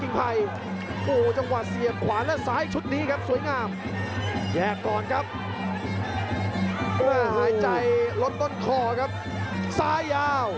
มาแล้วพยายามจะเด้นที่หุมซ้าย